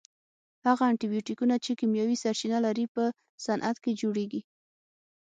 هغه انټي بیوټیکونه چې کیمیاوي سرچینه لري په صنعت کې جوړیږي.